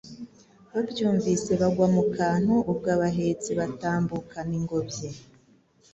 babyumvise bagwa mu kantu. Ubwo abahetsi batambukana ingobyi,